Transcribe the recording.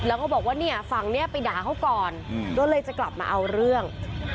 แล้วก็บอกว่าเนี่ยฝั่งนี้ไปด่าเขาก่อนก็เลยจะกลับมาเอาเรื่อง